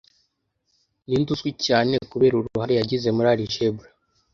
Ninde uzwi cyane kubera uruhare yagize muri Algebra